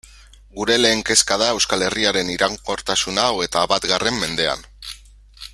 Gure lehen kezka da Euskal Herriaren iraunkortasuna hogeita batgarren mendean.